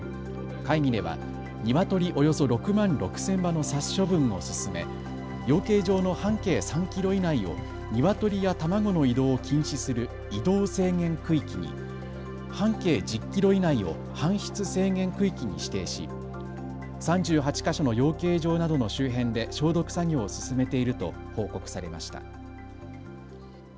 会議ではニワトリおよそ６万６０００羽の殺処分を進め養鶏場の半径３キロ以内をニワトリや卵の移動を禁止する移動制限区域に、半径１０キロ以内を搬出制限区域に指定し３８か所の養鶏場などの周辺で消毒作業を進めていると報告されました。